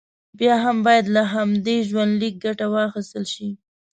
بیا هم باید له همدې ژوندلیکه ګټه واخیستل شي.